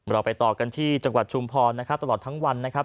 เราไปต่อกันที่จังหวัดชุมพรนะครับตลอดทั้งวันนะครับ